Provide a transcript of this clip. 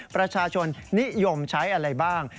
ประชาชนนิยมใช้อะไรบ้าง